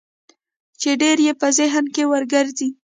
چې ډېر يې په ذهن کې ورګرځي.